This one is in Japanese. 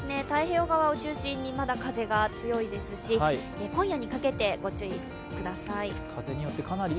太平洋側を中心にまだ風が強いですし今夜にかけてご注意ください。